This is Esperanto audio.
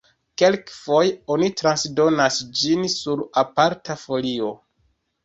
Kelkfoje oni transdonas ĝin sur aparta folio.